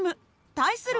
対する